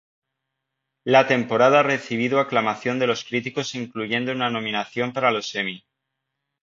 La temporada recibido aclamación de los críticos incluyendo una nominación para los Emmy.